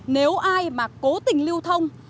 nếu ai mà cố tình lưu thông